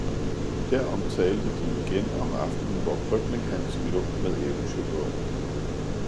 Derom talte de igen om aftnen, hvor Krøbling-Hans lå med eventyrbogen.